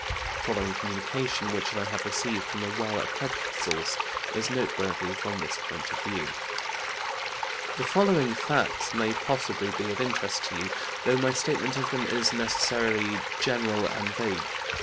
The following communication which I have received from a well accredited source is noteworthy from this point of view: "The following facts may possibly be of interest to you, though my statement of them is necessarily general and vague.